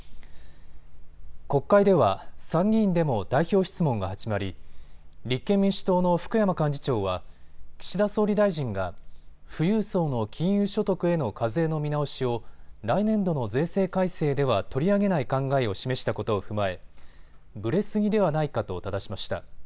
国会では参議院でも代表質問が始まり立憲民主党の福山幹事長は岸田総理大臣が富裕層の金融所得への課税の見直しを来年度の税制改正では取り上げない考えを示したことを踏まえぶれすぎではないかとただしました。